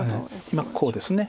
今こうです。